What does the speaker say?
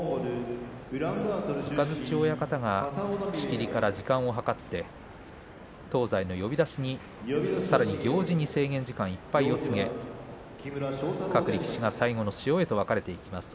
雷親方は仕切りから時間を計って東西の呼出しにそれに行司に制限時間いっぱいを告げそして各力士が最後の塩に分かれていきます